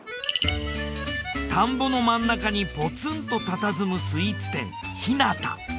田んぼの真ん中にポツンとたたずむスイーツ店。